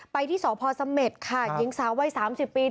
ไปที่สพสเม็ดค่ะหญิงสาววัย๓๐ปี